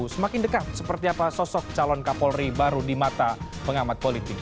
semakin dekat seperti apa sosok calon kapolri baru di mata pengamat politik